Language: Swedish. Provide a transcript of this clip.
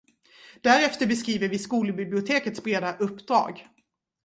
Därefter beskriver vi skolbibliotekets breda uppdrag.